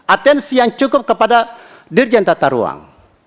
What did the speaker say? atensi yang cukup kepada dirjen tata ruang